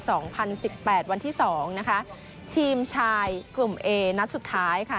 สองพันสิบแปดวันที่สองนะคะทีมชายกลุ่มเอนัดสุดท้ายค่ะ